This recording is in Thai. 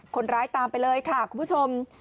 คนร้ายตามไปเลยค่ะคุณผู้ชม